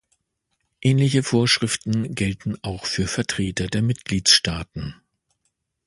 Ähnliche Vorschriften gelten auch für Vertreter der Mitgliedsstaaten.